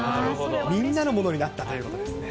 みんなのものになったということですね。